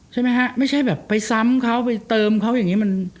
ใช่ไหมฮะไม่ใช่แบบไปซ้ำเขาไปเติมเขาอย่างนี้มัน